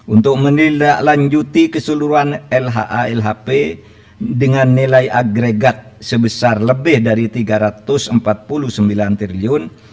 untuk menindaklanjuti keseluruhan lha lhp dengan nilai agregat sebesar lebih dari rp tiga ratus empat puluh sembilan triliun